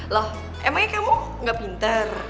loh emangnya kamu gak pintar